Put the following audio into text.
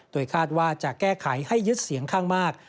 โดยคาดว่าจะแก้ไขให้ยึดเสียงข้างมาก